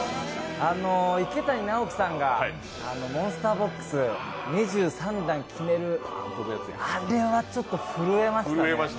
池谷直樹さんがモンスターボックス２３段決める、あれはちょっと震えましたね。